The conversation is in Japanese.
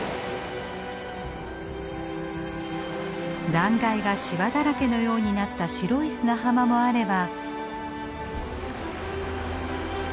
断崖がしわだらけのようになった白い砂浜もあれば。